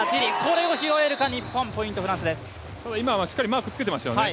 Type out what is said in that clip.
今はしっかりマークつけてましたよね。